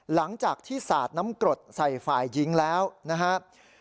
หลังจากที่สาดน้ำกรดใส่ฝ่ายหญิงแล้วนะครับ